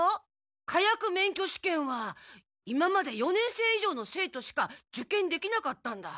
火薬免許試験は今まで四年生以上の生徒しか受験できなかったんだ。